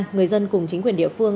người dân cùng chính quyền địa phương